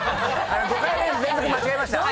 ５回連続間違えました。